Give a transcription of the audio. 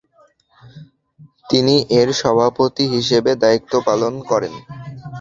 তিনি এর সভাপতি হিসাবে দায়িত্ব পালন করেন।